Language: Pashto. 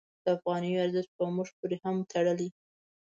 د افغانیو ارزښت په موږ پورې هم تړلی.